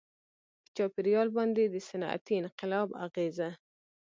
• په چاپېریال باندې د صنعتي انقلاب اغېزه.